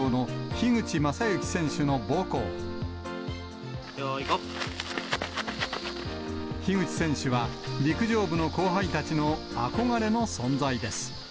樋口選手は、陸上部の後輩たちの憧れの存在です。